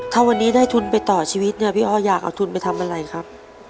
ถ้าวันนี้ได้ทุนไปต่อชีวิตเนี่ยพี่อ้ออยากเอาทุนไปทำอะไรครับ